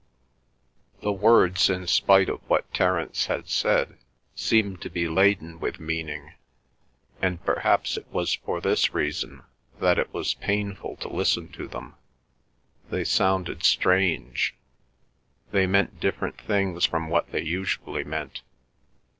The words, in spite of what Terence had said, seemed to be laden with meaning, and perhaps it was for this reason that it was painful to listen to them; they sounded strange; they meant different things from what they usually meant.